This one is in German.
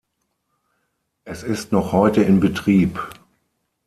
Es ist noch heute in Betrieb.